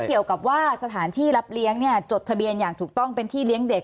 เกี่ยวกับว่าสถานที่รับเลี้ยงจดทะเบียนอย่างถูกต้องเป็นที่เลี้ยงเด็ก